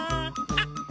あっ！